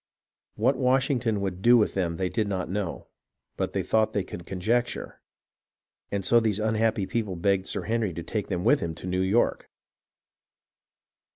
What Washing ton would do with them they did not know, but they thought they could conjecture, and so these unhappy people begged Sir Henry to take them with him to New York.